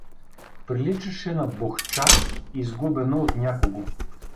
Приличаше на бохча, изгубена от някого.